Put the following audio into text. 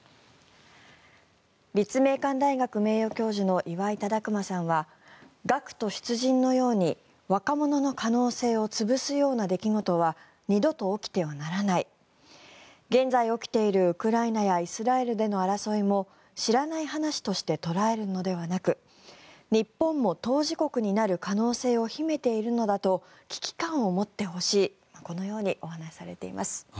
立命館大学名誉教授の岩井忠熊さんは学徒出陣のように若者の可能性を潰すような出来事は二度と起きてはならない現在起きている、ウクライナやイスラエルでの争いも知らない話として捉えるのではなく日本も当事国になる可能性を秘めているのだと危機感を持ってほしいこのようにお話しされています。